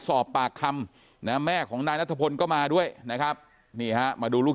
สอบปากคำแล้วแม่ของนายและสมลก็มาด้วยนะครับมีมาดูลูก